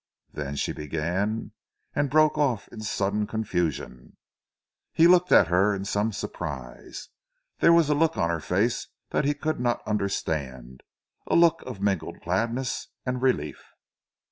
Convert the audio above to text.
"Then " she began, and broke off in sudden confusion. He looked at her in some surprise. There was a look on her face that he could not understand, a look of mingled gladness and relief.